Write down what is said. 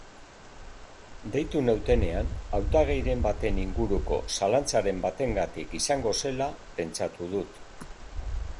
Deitu nautenean, hautagairen baten inguruko zalantzaren batengatik izango zela pentsatu dut.